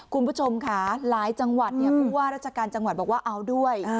คุณผู้ชมค่ะหลายจังหวัดผู้ว่าราชการจังหวัดบอกว่าเอาด้วย